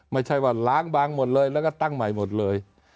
ไม่ใช่ว่าล้างบางหมดเลยแล้วก็ตั้งใหม่หมดเลย